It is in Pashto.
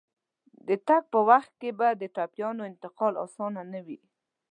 د تګ په وخت کې به د ټپيانو انتقال اسانه نه وي.